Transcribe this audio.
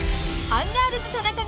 アンガールズの田中君